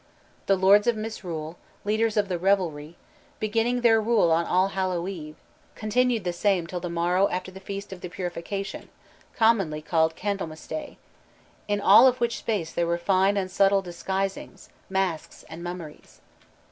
The Lords of Misrule, leaders of the revelry, "beginning their rule on All Hallow Eve, continued the same till the morrow after the Feast of the Purification, commonlie called Candelmas day: In all of which space there were fine and subtle disguisinges, Maskes, and Mummeries."